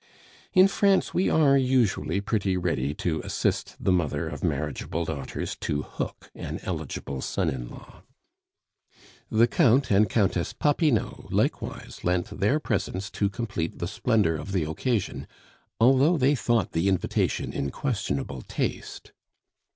In France we are usually pretty ready to assist the mother of marriageable daughters to hook an eligible son in law. The Count and Countess Popinot likewise lent their presence to complete the splendor of the occasion, although they thought the invitation in questionable taste.